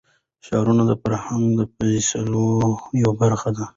ښارونه د فرهنګي فستیوالونو یوه برخه ده.